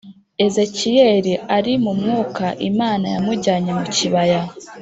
ezekiyeli ari mumwuka imana yamujyane mu kibaya